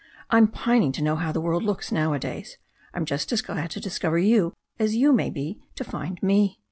I'm pining to know how the world looks nowadays. I'm just as glad to discover you as you may be to find me.